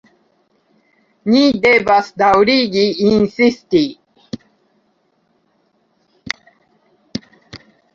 Ni devas daŭrigi insisti.